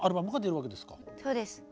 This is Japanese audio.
そうです。